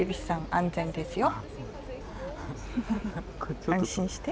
安心して。